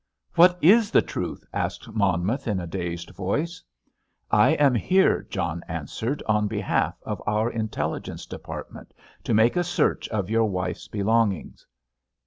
"What is the truth?" asked Monmouth in a dazed voice. "I am here," John answered, "on behalf of our Intelligence Department, to make a search of your wife's belongings."